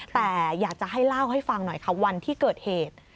แต่อยากจะให้เล่าให้ฟังหน่อยค่ะวันที่เกิดเหตุ